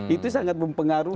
itu sangat mempengaruhi